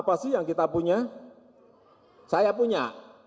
famili ataitu misalnya